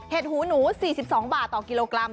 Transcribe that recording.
หูหนู๔๒บาทต่อกิโลกรัม